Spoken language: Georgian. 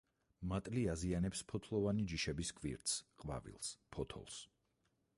მატლი აზიანებს ფოთლოვანი ჯიშების კვირტს, ყვავილს, ფოთოლს.